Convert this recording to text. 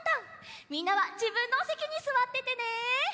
みんなはじぶんのおせきにすわっててね。